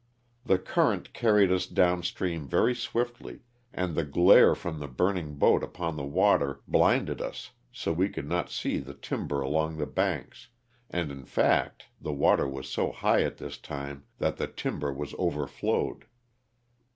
The current carried us down stream very swiftly and the glare from the burning boat upon the water blinded us so we could not see the timber along the banks, and in fact the water was so high at this time that the timber was overflowed.